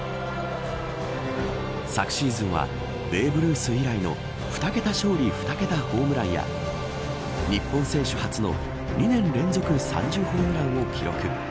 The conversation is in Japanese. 昨シーズンはベーブ・ルース以来の２桁勝利、２桁ホームランや日本選手初の２年連続３０ホームランを記録。